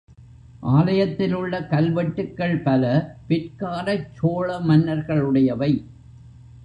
ஆலயத்திலுள்ள கல்வெட்டுக்கள் பல பிற்காலச் சோழ மன்னர்களுடையவை.